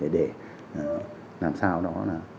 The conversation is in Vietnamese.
để làm sao đó